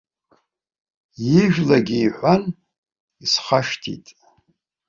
Ижәлагьы иҳәан, исхашҭит.